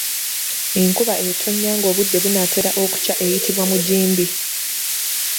Enkuba etonnya ng’obudde bunaatera okukya eyitibwa mujimbi.